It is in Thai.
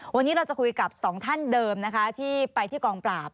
วันนี้เราจะคุยกับสองท่านเดิมนะคะที่ไปที่กองปราบ